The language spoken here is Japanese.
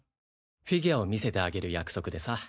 フィギュアを見せてあげる約束でさ。